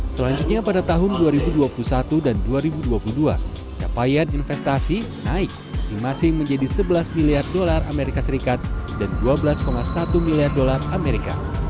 selanjutnya pada tahun dua ribu dua puluh satu dan dua ribu dua puluh dua capaian investasi naik masing masing menjadi sebelas miliar dolar amerika serikat dan dua belas satu miliar dolar amerika